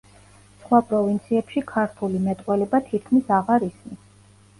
სხვა პროვინციებში ქართული მეტყველება თითქმის აღარ ისმის.